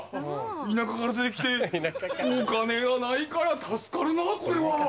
田舎から出て来てお金がないから助かるなぁこれは。